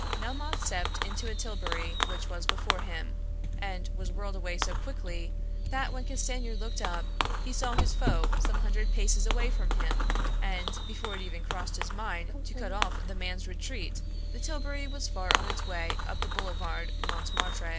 Melmoth stepped into a tilbury which was waiting for him, and was whirled away so quickly, that when Castanier looked up he saw his foe some hundred paces away from him, and before it even crossed his mind to cut off the man's retreat the tilbury was far on its way up the Boulevard Montmartre.